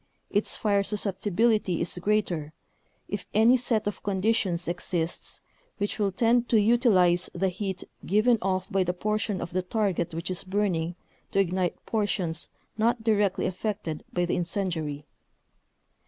its fire susceptibility is greater, if any set of conditions exists which will tend to utilize the heat given off by the portion of the target which is burning to ignite portions not directly affected by the incendiary.